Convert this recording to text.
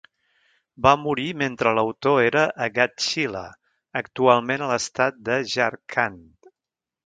Va morir mentre l'autor era a Ghatshila, actualment a l'estat de Jharkhand.